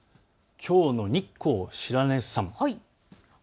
きょうの日光白根山。